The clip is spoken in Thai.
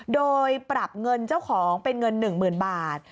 โดยปรับเงินเจ้าของเป็นเงิน๑๐๐๐บาท